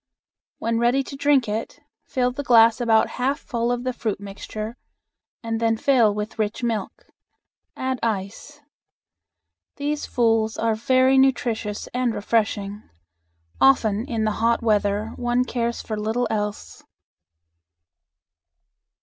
When ready to drink it, fill the glass about half full of the fruit mixture and then fill with rich milk. Add ice. These "fools" are very nutritious and refreshing. Often in the hot weather one cares for little else.